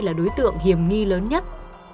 là đối tượng hiềm nghi lớn nhất